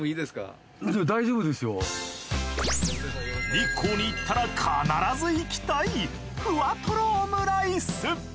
日光に行ったら必ず行きたいふわトロオムライス！